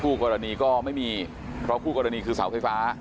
กรณีก็ไม่มีเพราะคู่กรณีคือเสาไฟฟ้า